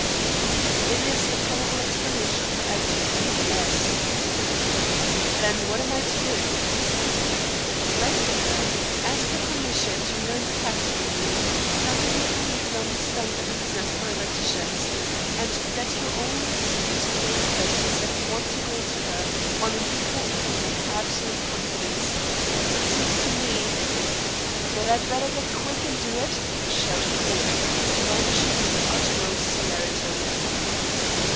"It is the probable explanation of her attitude, nevertheless." "Then what am I to do?" "Write to her. Ask her permission to learn the facts from me. Tell her you believe you understand the reasons for her reticence, and that your only excuse for the request is that you want to go to her on an equal plane of absolute confidence. It seems to me " "That I'd better get quick and do it," shouted Corbett, vanishing with the utmost celerity.